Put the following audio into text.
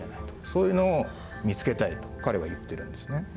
そういうのを見つけたいと彼は言ってるんですね。